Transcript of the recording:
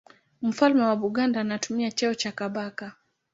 Mfalme wa Buganda anatumia cheo cha Kabaka.